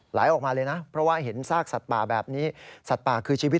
ไหลออกมาเลยนะเพราะว่าเห็นซากสัตว์ป่าแบบนี้